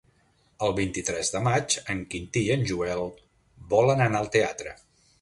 El vint-i-tres de maig en Quintí i en Joel volen anar al teatre.